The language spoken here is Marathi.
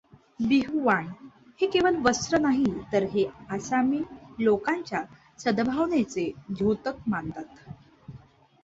बिहू वाण हे केवळ वस्त्र नाही तर हे आसामी लोकांच्या सदभावनेचे द्योतक मानतात्.